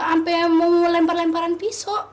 sampai mau lempar lemparan pisau